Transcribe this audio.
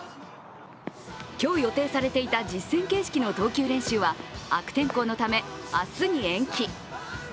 今日予定されていた実戦形式の投球練習は悪天候のため明日に延期。